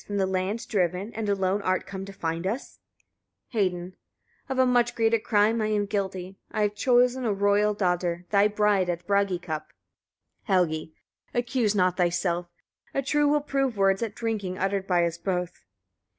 from the land driven, and alone art come to find us? Hedin. 32. Of a much greater crime I am guilty. I have chosen a royal daughter, thy bride, at the Bragi cup. Helgi. 33. Accuse not thyself; true will prove words at drinking uttered by us both.